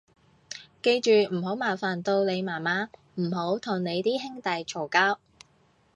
記住唔好麻煩到你媽媽，唔好同你啲兄弟嘈交